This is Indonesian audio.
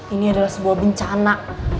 ini adalah sebuah bencana